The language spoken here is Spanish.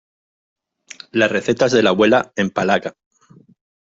Las recetas de la abuela empalaga.